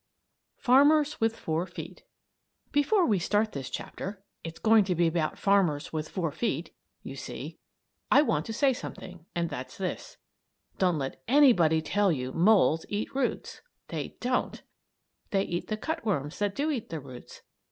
"_ FARMERS WITH FOUR FEET Before we start this chapter it's going to be about the farmers with four feet, you see I want to say something, and that's this: Don't let anybody tell you moles eat roots. They don't! They eat the cutworms that do eat the roots.